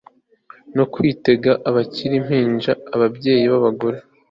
no kwitegeka bakiri impinja Ababyeyi babagore